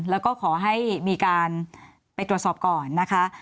แล้วก็ขอให้มีการไปตรวจสอบก่อนนะคะ